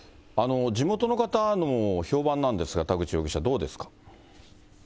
地元の方の評判なんですが、田口容疑者、どうですか。